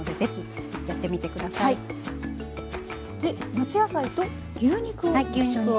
夏野菜と牛肉を一緒に。